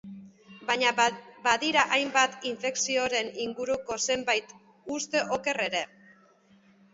Baina badira hainbat infekzioren inguruko zenbait uste oker ere.